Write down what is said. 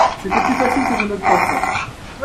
C’était plus facile que je ne le pensais.